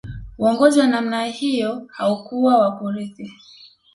Uongozi wa namna hiyo haukuwa wa kurithi